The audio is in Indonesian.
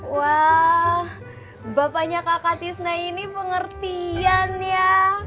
wah bapaknya kakak tisna ini pengertian ya